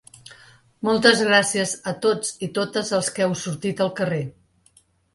Moltes gràcies a tots i totes els que heu sortit al carrer.